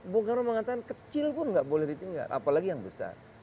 bung karno mengatakan kecil pun nggak boleh ditinggal apalagi yang besar